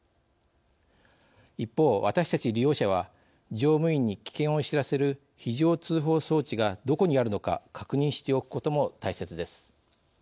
一方私たち利用者は乗務員に危険を知らせる非常通報装置がどこにあるのか確認しておくことも大切です。